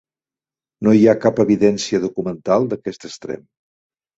No hi ha cap evidència documental d'aquest extrem.